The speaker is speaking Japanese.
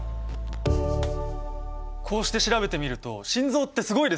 こうして調べてみると心臓ってすごいですね。